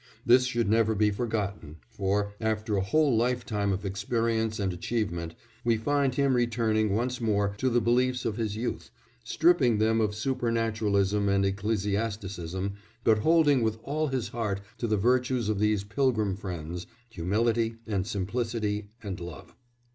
This should never be forgotten, for, after a whole lifetime of experience and achievement, we find him returning once more to the beliefs of his youth, stripping them of supernaturalism and ecclesiasticism, but holding with all his heart to the virtues of these pilgrim friends humility and simplicity and love.